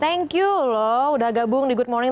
thank you loh udah gabung di good morning